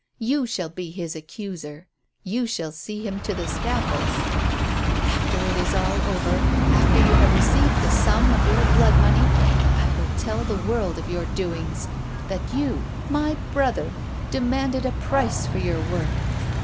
You shall be his accuser; you shall see him to the scaffold. And after it is over, after you have received the sum of your blood money, I will tell the world of your doings. That you my brother demanded a price for your work.